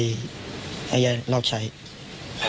โดนไอ้เยขรากาวเช้า